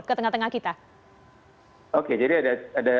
tidak ada yang bisa dikira tapi ada yang bisa dikira